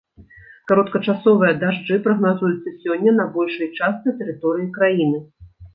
Кароткачасовыя дажджы прагназуюцца сёння на большай частцы тэрыторыі краіны.